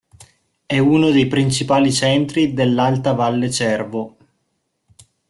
È uno dei principali centri dell'alta Valle Cervo.